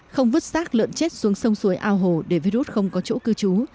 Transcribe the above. không vứt sát lợn chết xuống sông suối ao hồ để virus không có chỗ cư trú